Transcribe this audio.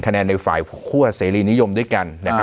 แนนในฝ่ายคั่วเสรีนิยมด้วยกันนะครับ